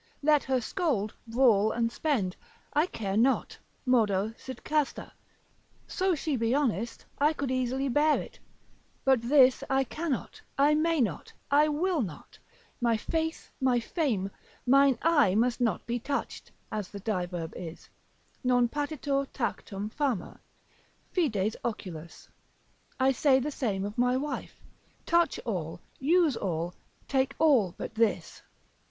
Let her scold, brawl, and spend, I care not, modo sit casta, so she be honest, I could easily bear it; but this I cannot, I may not, I will not; my faith, my fame, mine eye must not be touched, as the diverb is, Non patitur tactum fama, fides, oculus. I say the same of my wife, touch all, use all, take all but this.